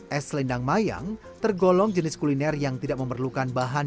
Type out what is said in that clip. es selendang mayang tergolong jenis kuliner yang tidak memerlukan bahan